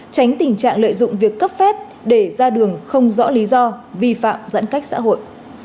tránh tình trạng lợi dụng việc cấp phép để ra đường không rõ lý do vi phạm giãn cách xã hội